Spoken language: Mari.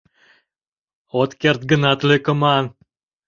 От керт гынат, лӧкыман.